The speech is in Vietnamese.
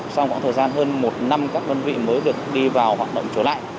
sau khoảng thời gian hơn một năm các đơn vị mới được đi vào hoạt động trở lại